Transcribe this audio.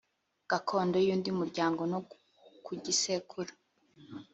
gakondo y’undi muryango no ku gisekuru